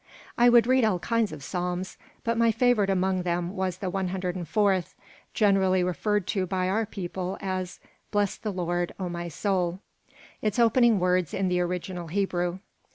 I would read all kinds of psalms, but my favorite among them was the 104th, generally referred to by our people as "Bless the Lord, O my soul," its opening words in the original Hebrew.